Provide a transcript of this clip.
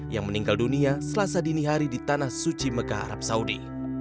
yang meninggal dunia selasa dini hari di tanah suci mekah arab saudi